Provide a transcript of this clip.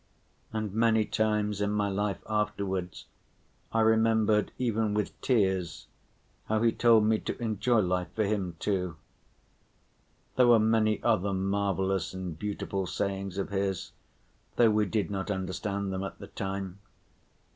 And many times in my life afterwards I remembered even with tears how he told me to enjoy life for him too. There were many other marvelous and beautiful sayings of his, though we did not understand them at the time.